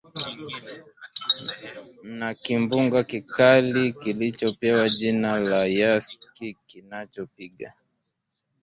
na kimbunga kikali kilichopewa jina la yaski kinachopiga